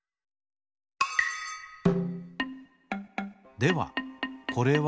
ではこれは？